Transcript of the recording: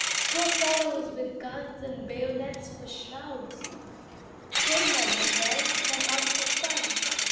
Poor fellows with guns and bayonets for shrouds! Pray, Mademoiselle, come out of the sun.